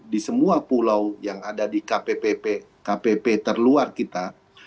di semua pulau yang ada di kpp terluar kita